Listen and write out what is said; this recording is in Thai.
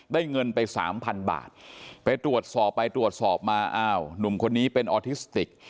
ได้เงินไป๓๐๐๐บาทไปตรวจสอบไปตรวจสอบมาหนุ่มคนนี้เป็นออทิสติก